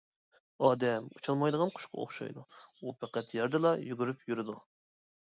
ئادەم ئۇچالمايدىغان قۇشقا ئوخشايدۇ، ئۇ پەقەت يەردىلا يۈگۈرۈپ يۈرىدۇ.